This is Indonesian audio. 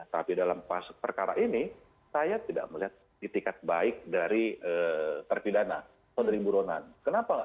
tapi dalam pas perkara ini saya tidak melihat itikat baik dari terpidana atau dari buronan kenapa nggak